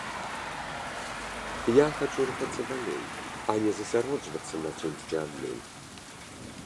Я хачу рухацца далей, а не засяроджвацца на чымсьці адным.